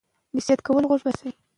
زده کوونکي کولای سي پرمختګ وکړي.